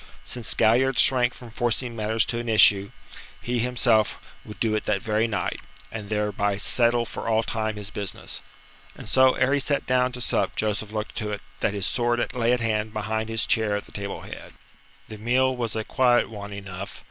Since Galliard shrank from forcing matters to an issue, he himself would do it that very night, and thereby settle for all time his business. And so ere he sat down to sup Joseph looked to it that his sword lay at hand behind his chair at the table head. The meal was a quiet one enough.